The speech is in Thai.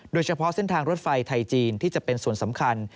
โดยเฉพาะเส้นทางรถไฟไทยจีนที่จะเป็นส่วนสำคัญ